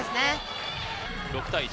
６対１